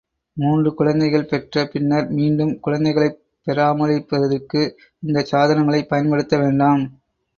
மூன்று குழந்தைகள் பெற்ற பின்னர் மீண்டும் குழந்தைகளைப் பெறாமலிருப்பதற்கு இந்தச் சாதனங்களைப் பயன்படுத்தவேண்டாம்.